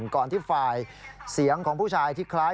ก่อนที่ฝ่ายเสียงของผู้ชายที่คล้าย